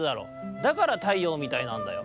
だから太陽みたいなんだよ。